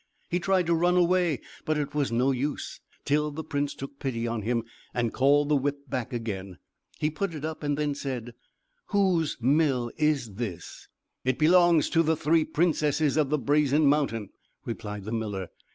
He tried to run away; but it was no use; till the prince took pity on him, and called the whip back again. He put it up, and then said: "Whose mill is this?" "It belongs to the three princesses of the Brazen Mountain," replied the miller.